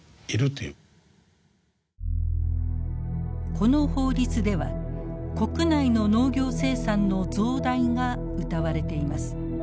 この法律では国内の農業生産の増大がうたわれています。